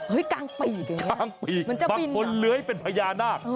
เห้ยกางปีกบักผลเลื้อยเป็นพญานาค